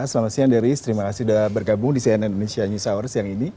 selamat siang deris terima kasih sudah bergabung di cnn indonesia news hour siang ini